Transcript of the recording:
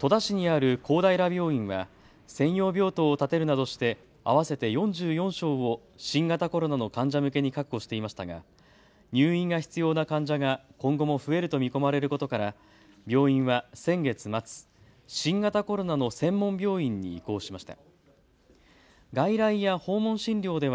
戸田市にある公平病院は専用病棟を建てるなどして合わせて４４床を新型コロナの患者向けに確保していましたが入院が必要な患者が今後も増えると見込まれることから病院は先月末、新型コロナの専門病院に移行しました。